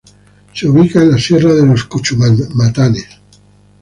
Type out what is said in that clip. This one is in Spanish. Se ubica en la sierra de los Cuchumatanes.